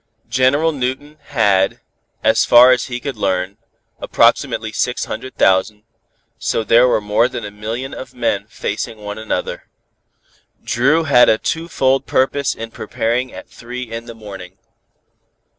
General Newton had, as far as he could learn, approximately six hundred thousand, so there were more than a million of men facing one another. Dru had a two fold purpose in preparing at three in the morning.